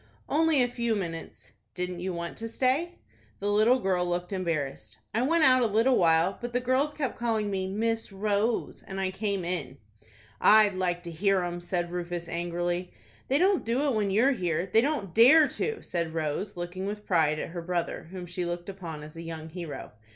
"Only a few minutes." "Didn't you want to stay?" The little girl looked embarrassed. "I went out a little while, but the girls kept calling me Miss Rose, and I came in." "I'd like to hear 'em!" said Rufus, angrily. "They don't do it when you are here. They don't dare to," said Rose, looking with pride at her brother, whom she looked upon as a young hero.